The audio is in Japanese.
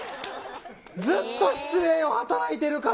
ずっと失礼をはたらいてるから！